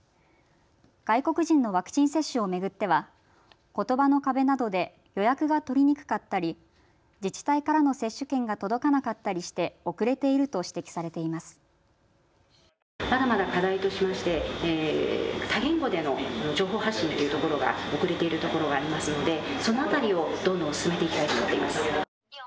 外国人のワクチン接種を巡ってはことばの壁などで予約が取りにくかったり自治体からの接種券が届かなかったりして遅れていると指摘されています。